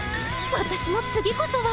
私も次こそは！